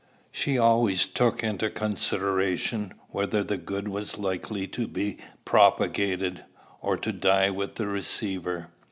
She always took into consideration whether the good was likely to be propagated, or to die with the receiver.